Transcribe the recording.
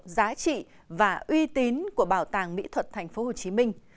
giá trị và uy tín của bảo tàng mỹ thuật tp hcm